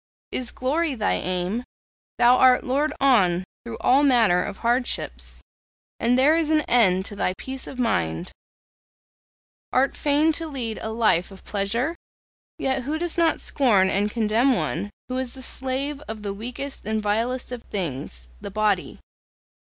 Is glory thy aim? Thou art lured on through all manner of hardships, and there is an end to thy peace of mind. Art fain to lead a life of pleasure? Yet who does not scorn and contemn one who is the slave of the weakest and vilest of things the body?